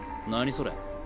それ。